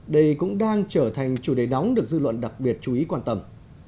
đây cũng đang trở thành chủ đề nóng được dư luận đặc biệt chú ý quan tâm